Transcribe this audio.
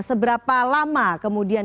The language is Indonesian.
seberapa lama kemudian